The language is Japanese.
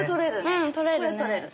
うん取れるね。